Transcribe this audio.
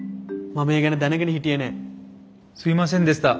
すいませんでした。